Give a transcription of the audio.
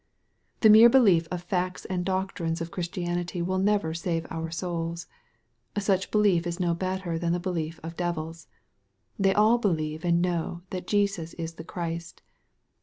The mere belief of the facts and doctrines of Chris tianity will never save our souls. Such belief is no better than the belief of devils. They all believe and know that Jesus is the Christ.